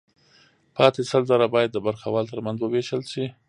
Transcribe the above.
پاتې سل زره باید د برخوالو ترمنځ ووېشل شي